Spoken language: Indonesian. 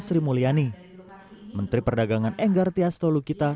menteri keuangan sri mulyani menteri perdagangan enggar tias tolu kita